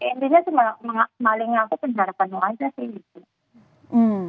intinya cuma maling aku penjara penuh aja sih gitu